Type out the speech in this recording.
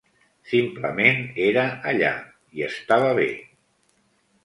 Simplement era allà, i estava bé.